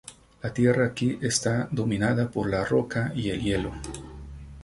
La tierra aquí está dominada por la roca y el hielo.